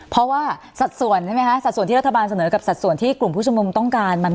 เพราะว่าสัดส่วนใช่ไหมคะสัดส่วนที่รัฐบาลเสนอกับสัดส่วนที่กลุ่มผู้ชมนุมต้องการ